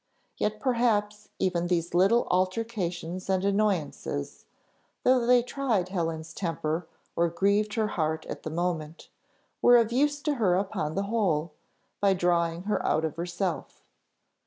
Yet perhaps even these little altercations and annoyances, though they tried Helen's temper or grieved her heart at the moment, were of use to her upon the whole, by drawing her out of herself.